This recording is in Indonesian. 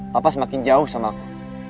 papa semakin jauh sama aku